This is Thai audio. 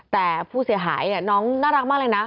แต่ผู้เสียหายน้องน่ารักมากเลยนะ